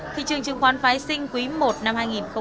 thị trường chứng khoán phái sinh quý i năm hai nghìn một mươi tám